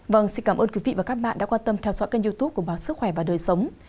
vâng xin cảm ơn quý vị và các bạn đã quan tâm theo dõi kênh youtube của báo sức khỏe và đời sống